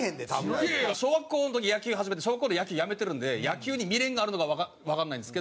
小学校の時野球始めて小学校で野球やめてるんで野球に未練があるのかわかんないんですけど。